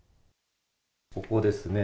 ここですね。